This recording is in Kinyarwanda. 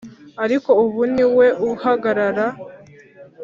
ariko ubu niwe uhagarara,